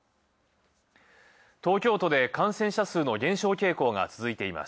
東京都で感染者数の減少傾向が続いています。